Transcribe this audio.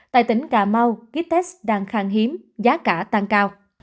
tại tỉnh cà mau ký test đang khang hiếm giá cả tăng cao